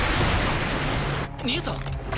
兄さん？